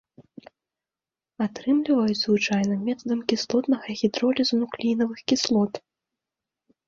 Атрымліваюць звычайна метадам кіслотнага гідролізу нуклеінавых кіслот.